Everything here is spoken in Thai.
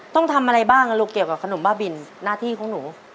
ต้องทำอะไรบ้างลูกเกี่ยวกับขนมบ้าบินหน้าที่ของหนู